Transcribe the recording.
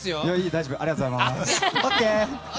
大丈夫ありがとうございます。